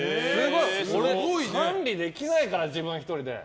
俺は管理できないから自分１人で。